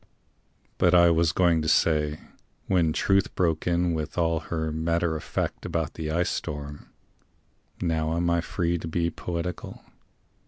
But I was going to say when Truth broke in With all her matter of fact about the ice storm (Now am I free to be poetical?)